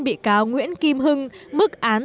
bị cáo nguyễn kim hưng mức án